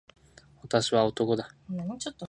私は男だ。